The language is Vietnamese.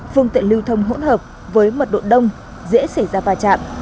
phương tiện lưu thông hỗn hợp với mật độ đông dễ xảy ra va chạm